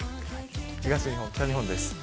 東日本、北日本です。